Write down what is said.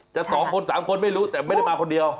สองคน๓คนไม่รู้แต่ไม่ได้มาคนเดียว